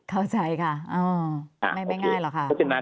เข้าใจค่ะไม่ง่ายหรอกค่ะ